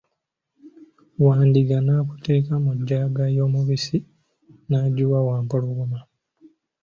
Wandiga nakuteeka mu jjaaga y'omubisi n'agiwa Wampologoma.